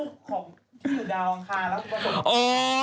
เขาหมายความว่าเขาเคยเป็นลูกของดาวอังคาร